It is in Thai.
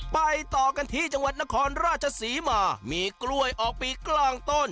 ไปต่อกันที่จังหวัดนครราชศรีมามีกล้วยออกปีกลางต้น